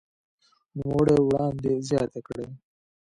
نوموړي وړاندې زياته کړې